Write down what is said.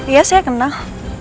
iya saya kenal